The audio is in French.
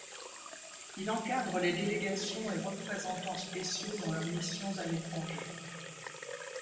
Il encadre les délégations et Représentants spéciaux dans leurs missions à l'étranger.